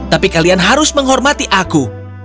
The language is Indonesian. tapi kalian harus menghormati aku